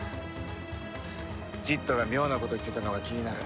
ジットが妙なこと言ってたのが気になる。